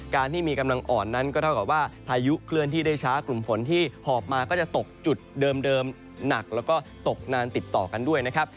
การที่มีกำลังอ่อนนั้นก็เท่ากับว่าพายุเคลื่อนที่ได้ช้ากลุ่มฝนที่หอบมาก็จะตกจุดเดิมหนักแล้วก็ตกนานติดต่อกันด้วยนะครับ